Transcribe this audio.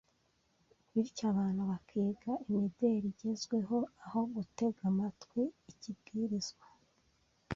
bityo abantu bakiga imideri igezweho aho gutega amatwi ikibwirizwa